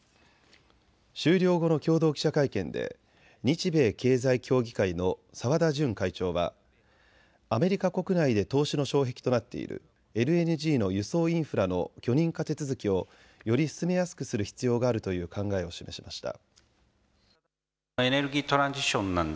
終了後の共同記者会見で日米経済協議会の澤田純会長はアメリカ国内で投資の障壁となっているＬＮＧの輸送インフラの許認可手続きをより進めやすくする必要があるという考えを示しました。